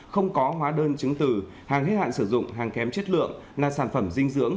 không có hóa đơn chứng từ hàng hết hạn sử dụng hàng kém chất lượng là sản phẩm dinh dưỡng